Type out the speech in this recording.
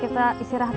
aku mau ke rumah